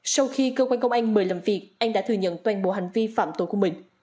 sau khi cơ quan công an mời làm việc an đã thừa nhận toàn bộ hành vi phạm tội của mình